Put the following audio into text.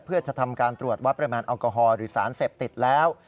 เพื่อจะทำการตรวจวัดปริมาณแอลกอฮอลหรือสารเสพติดแล้ว